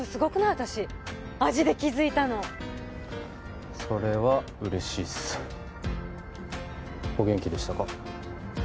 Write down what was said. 私味で気づいたのそれは嬉しいっすお元気でしたか？